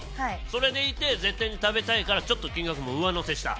それでいて絶対に食べたいからちょっと金額も上乗せした？